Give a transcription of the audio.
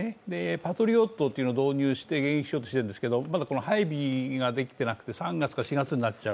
パトリオットというのを導入して迎撃しようとしているんですがまだ配備ができてなくて、３月か４月になっちゃう。